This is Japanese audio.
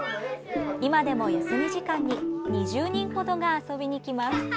今でも休み時間に２０人ほどが遊びに来ます。